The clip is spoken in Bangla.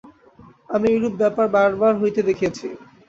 আমি এইরূপ ব্যাপার বারবার হইতে দেখিয়াছি।